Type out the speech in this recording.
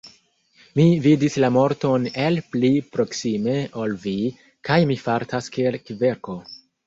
Mi vidis la morton el pli proksime ol vi, kaj mi fartas kiel kverko.